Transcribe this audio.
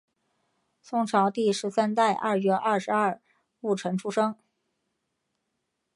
宋朝第十三代二月廿二戊辰出生。